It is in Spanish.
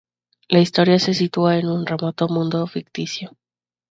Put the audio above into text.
La historia se sitúa en un remoto mundo ficticio.